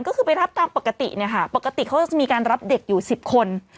ก็คือไปรับตามปกติเนี่ยค่ะปกติเขาจะมีการรับเด็กอยู่สิบคน